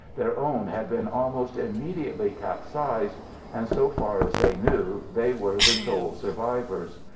Their own had been almost immediately capsized, and, so far as they knew, they were the sole survivors.